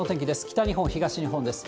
北日本、東日本です。